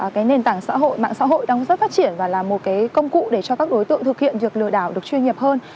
cái nền tảng xã hội mạng xã hội đang rất phát triển và là một cái công cụ để cho các đối tượng thực hiện việc lừa đảo được chuyên nghiệp hơn